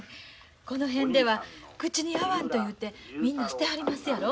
この辺では口に合わんというてみんな捨てはりますやろ。